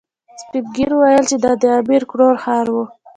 سپين ږيرو ويل چې دا د امير کروړ ښار و.